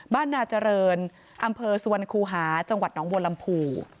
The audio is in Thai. บ้านนาจรรย์อำเภอสวนคูหาจังหวัดน้องบวลลำพู